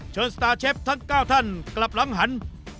สตาร์เชฟทั้ง๙ท่านกลับหลังหัน